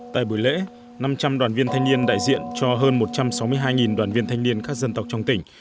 tại buổi lễ năm trăm linh đoàn viên thanh niên đại diện cho hơn một trăm sáu mươi hai đoàn viên thanh niên các dân tộc trong tỉnh